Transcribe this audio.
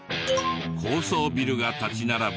高層ビルが立ち並ぶ